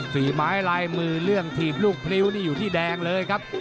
ฝีไม้ลายมือเรื่องถีบลูกพริ้วนี่อยู่ที่แดงเลยครับ